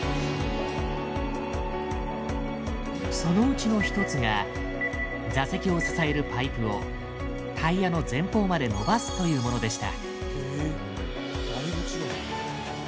そのうちの１つが座席を支えるパイプをタイヤの前方まで伸ばすというものでした。